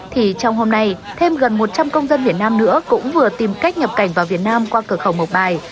thì trong hôm nay thêm gần một trăm linh công dân việt nam nữa cũng vừa tìm cách nhập cảnh vào việt nam qua cửa khẩu mộc bài